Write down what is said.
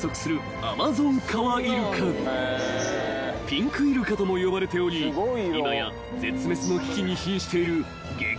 ［ピンクイルカとも呼ばれており今や絶滅の危機にひんしている激